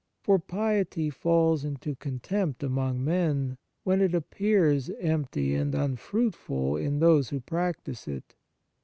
For piety falls into contempt among men, when it appears empty and unfruitful in those who practise it.